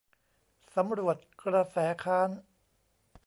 สำรวจกระแสค้าน